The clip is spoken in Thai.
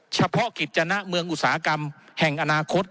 เฉพาะกิจจณะเมืองอุตสาหกรรมแห่งอนาคต